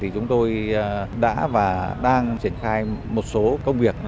chúng tôi đã và đang triển khai một số công việc